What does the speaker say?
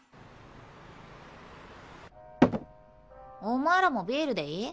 お前らもビールでいい？